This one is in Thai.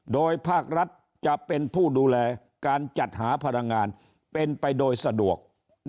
โดยภาครัฐจะเป็นผู้ดูแลการจัดหาพลังงานเป็นไปโดยสะดวก